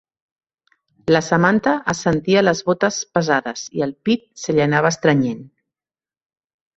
La Samantha es sentia les botes pesades i el pit se li anava estrenyent.